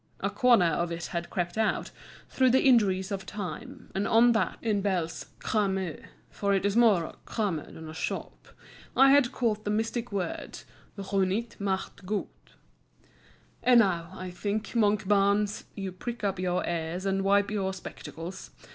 A corner of it had crept out, through the injuries of time, and on that, in Bell's "crame" (for it is more a crame than a shop), I had caught the mystic words Runjt macht Gunjt. And now, I think, Monkbarns, you prick up your ears and wipe your spectacles.